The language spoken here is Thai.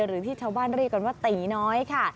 หรือที่ชาวบ้านเรียกกันว่าตีน้อยค่ะ